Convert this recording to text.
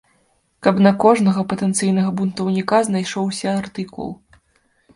Каб на кожнага патэнцыйнага бунтаўніка знайшоўся артыкул.